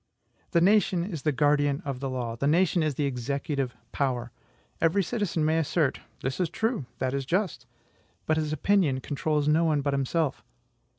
The nation is the guardian of the law the nation is the EXECUTIVE POWER. Every citizen may assert: "This is true; that is just;" but his opinion controls no one but himself.